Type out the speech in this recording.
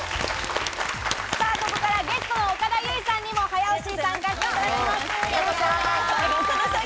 ここからゲストの岡田結実さんにも早押しに参加していただきます。